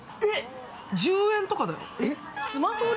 １０円とかだよ！？